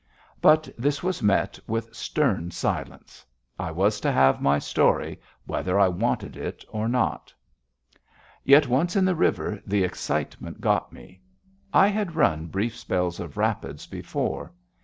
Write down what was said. But this was met with stern silence. I was to have my story whether I wanted it or not. Yet once in the river, the excitement got me. I had run brief spells of rapids before.